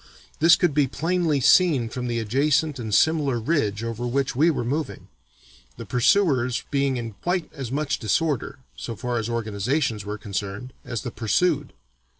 This could be plainly seen from the adjacent and similar ridge over which we were moving, the pursuers being in quite as much disorder (so far as organizations were concerned) as the pursued.